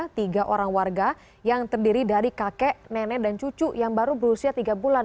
tiga orang warga yang terdiri dari kakek nenek dan cucu yang baru berusia tiga bulan